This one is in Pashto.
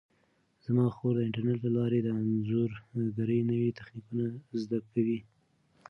زما خور د انټرنیټ له لارې د انځورګرۍ نوي تخنیکونه زده کوي.